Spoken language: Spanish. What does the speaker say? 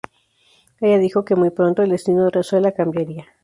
Ella dijo que muy pronto el destino de Rosella cambiaría.